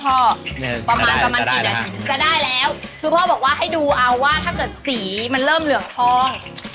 ประมาณประมาณกี่นาทีจะได้แล้วคือพ่อบอกว่าให้ดูเอาว่าถ้าเกิดสีมันเริ่มเหลืองทอง